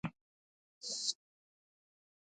دا ګاډې بوځه.